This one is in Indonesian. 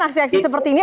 aksi aksi seperti ini